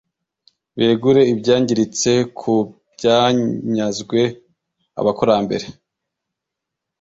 begure ibyangiritse ku byanyazwe abakurambere,